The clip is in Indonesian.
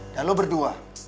dan lo berdua